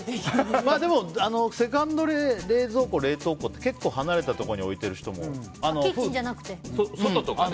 でもセカンド冷蔵庫、冷凍庫って結構、離れたところに置いてる人もね。